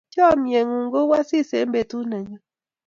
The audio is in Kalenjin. chamiet ngun ko u asis eng' petut nenyun